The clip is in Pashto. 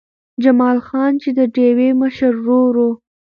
جمال خان چې د ډېوې مشر ورور و